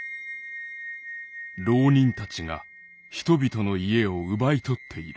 「牢人たちが人々の家を奪い取っている」。